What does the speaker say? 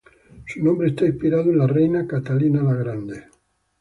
Su nombre está inspirado en la reina "Catalina, La Grande".